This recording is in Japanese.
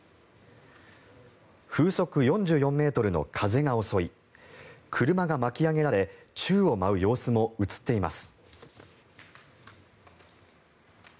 風速４４ｍの風が襲い車が巻き上げられ宙を舞う様子も映っています。